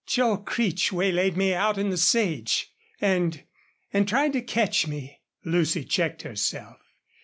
"Joel Creech waylaid me out in the sage and and tried to catch me." Lucy checked herself.